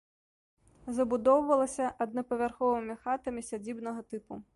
Забудоўвалася аднапавярховымі хатамі сядзібнага тыпу.